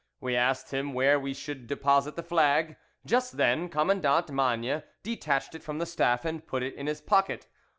We asked him where we should deposit the flag. Just then Commandant Magne detached it from the staff and put it in his pocket.